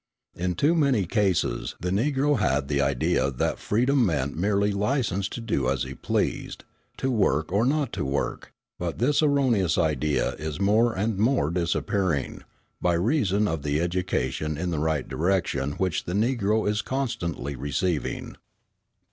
In too many cases the Negro had the idea that freedom meant merely license to do as he pleased, to work or not to work; but this erroneous idea is more and more disappearing, by reason of the education in the right direction which the Negro is constantly receiving.